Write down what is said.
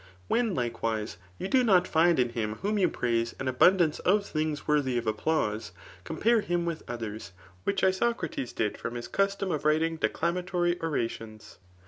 When, likewise, you do not find in him whom you prsdse an abundance of things worthy of applause, compare him with others^ tidiich Isocrates did from his custom of writing deda^ matory orations.